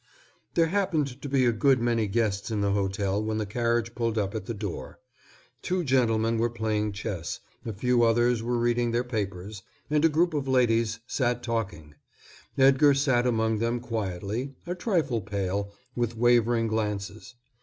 There happened to be a good many guests in the hall when the carriage pulled up at the door. Two gentlemen were playing chess, a few others were reading their papers, and a group of ladies sat together talking. Edgar sat among them quietly, a trifle pale, with wavering glances.